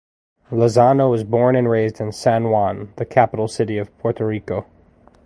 Lozano was born and raised in San Juan, the capital city of Puerto Rico.